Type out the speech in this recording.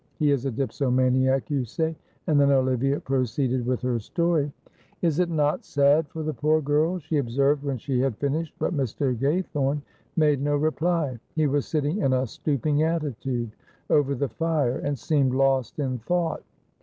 He is a dipsomaniac, you say." And then Olivia proceeded with her story. "Is it not sad for the poor girl?" she observed when she had finished, but Mr. Gaythorne made no reply. He was sitting in a stooping attitude over the fire and seemed lost in thought.